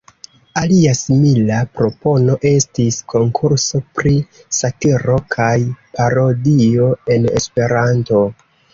Alia simila propono estis konkurso pri satiro kaj parodio en Esperanto.